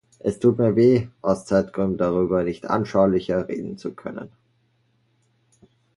Es tut mir weh, aus Zeitgründen darüber nicht anschaulicher reden zu können.